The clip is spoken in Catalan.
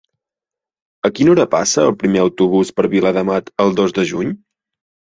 A quina hora passa el primer autobús per Viladamat el dos de juny?